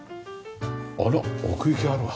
あら奥行きあるわ。